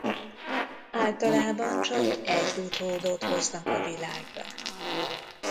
Általában csak egy utódot hoznak a világra.